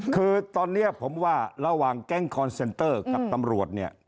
คือตอนนี้ผมว่าระหว่างแก๊งคอนเซนเตอร์กับตำรวจเนี่ย